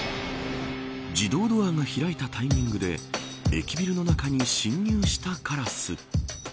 自動ドアが開いたタイミングで駅ビルの中に進入したカラス。